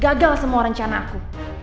gagal semua rencana aku